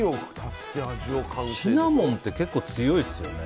シナモンって結構強いですよね。